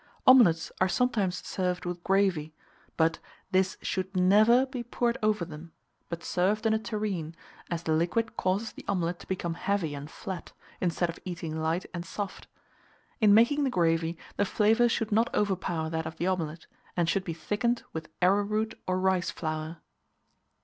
Omelets are sometimes served with gravy; but this should never be poured over them, but served in a tureen, as the liquid causes the omelet to become heavy and flat, instead of eating light and soft. In making the gravy, the flavour should not overpower that of the omelet, and should be thickened with arrowroot or rice flour.